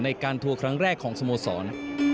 ทัวร์ครั้งแรกของสโมสร